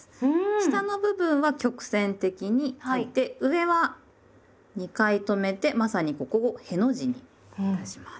下の部分は曲線的に書いて上は２回止めてまさにここを「への字」にいたします。